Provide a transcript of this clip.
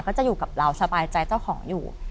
ก็จะอยู่กับเราสบายใจเจ้าของอยู่